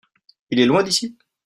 Il est loin d'ici ?